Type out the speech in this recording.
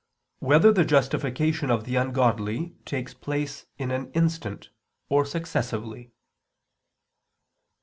7] Whether the Justification of the Ungodly Takes Place in an Instant or Successively?